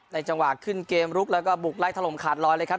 จังหวะขึ้นเกมลุกแล้วก็บุกไล่ถล่มขาดลอยเลยครับ